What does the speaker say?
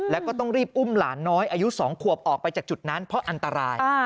แล้วก็ต้องรีบอุ้มหลานน้อยอายุ๒ขวบออกไปจากจุดนั้นเพราะอันตราย